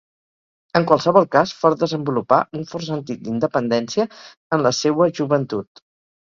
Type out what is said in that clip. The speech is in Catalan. En qualsevol cas, Fort desenvolupà un fort sentit d'independència en la seua joventut.